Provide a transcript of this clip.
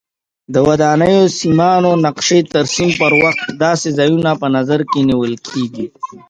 د ودانیو سیمانو نقشې ترسیم پر وخت داسې ځایونه په نظر کې نیول کېږي.